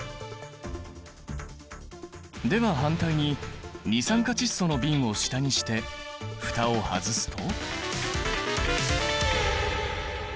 では反対に二酸化窒素の瓶を下にして蓋を外すと？